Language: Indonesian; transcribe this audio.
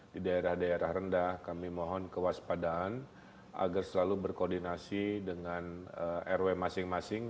di daerah daerah rendah kami mohon kewaspadaan agar selalu berkoordinasi dengan rw masing masing